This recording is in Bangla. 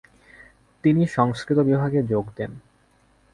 তিনি সংস্কৃত বিভাগে যোগ দেন।